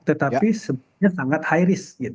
tetapi sebetulnya sangat high risk gitu